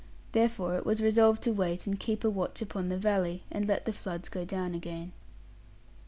Therefore it was resolved to wait and keep a watch upon the valley, and let the floods go down again.